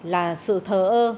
là sự thờ ơ